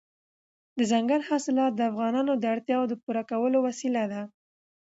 دځنګل حاصلات د افغانانو د اړتیاوو د پوره کولو وسیله ده.